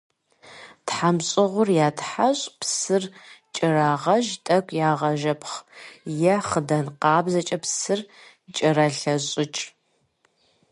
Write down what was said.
ТхьэмщӀыгъур ятхьэщӀ, псыр кӀэрагъэж, тӀэкӀу ягъэжэпхъ е хъыдан къабзэкӀэ псыр кӀэралъэщӀыкӀ.